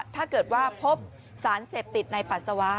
ถ้าเกิดว่าพบสารเสพติดในปัสสาวะ